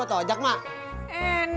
apakah itu si john turing